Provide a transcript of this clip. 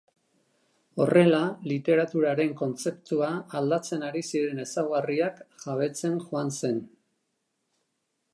Horrela literaturaren kontzeptua aldatzen ari ziren ezaugarriak jabetzen joan zen.